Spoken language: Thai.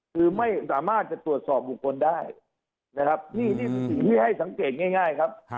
คือไม่สามารถจะตรวจสอบบุคคลได้นะครับนี่สิ่งที่ให้สังเกตง่ายครับ